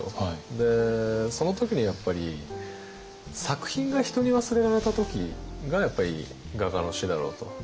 その時にやっぱり作品が人に忘れられた時が画家の死だろうと。